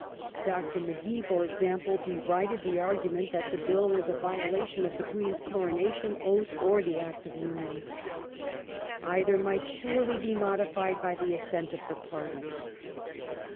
Dr. Magee, for example, derided the argument that the Bill was a violation of the Queen's Coronation Oath or of the Act of Union. Either might surely be modified by the assent of the parties.